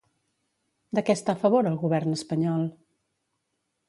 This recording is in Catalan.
De què està a favor el govern espanyol?